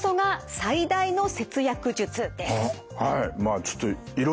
はい。